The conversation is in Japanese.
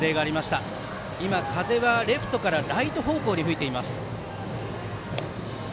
今、風はレフトからライト方向に吹いています。